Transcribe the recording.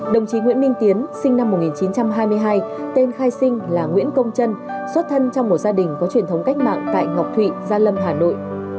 đồng chí nguyễn minh tiến sinh năm một nghìn chín trăm hai mươi hai tên khai sinh là nguyễn công trân xuất thân trong một gia đình có truyền thống cách mạng tại ngọc thụy gia lâm hà nội